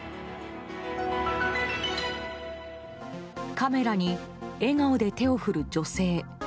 カメラに笑顔で手を振る女性。